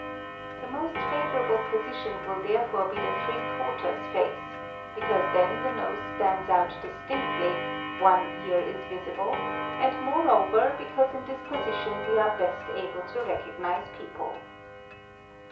The most favourable position will therefore be the three quarters face, because then the nose stands out distinctly, one ear is visible, and moreover because in this position we are best able to recognize people.